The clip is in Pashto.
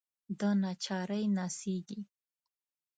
دناچارۍ نڅیږې